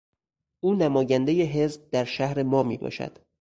او نمایندهی حزب در شهر ما میباشد.